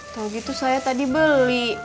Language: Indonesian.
tuh gitu saya tadi beli